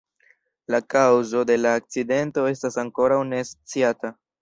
La kaŭzo de la akcidento estas ankoraŭ ne sciata.